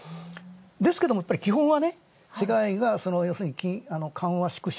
ですけども基本は世界が、要するに緩和縮小